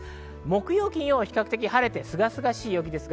木曜、金曜は比較的晴れて、すがすがしい陽気です。